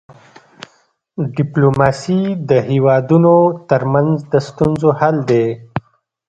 ډيپلوماسي د هيوادونو ترمنځ د ستونزو حل دی.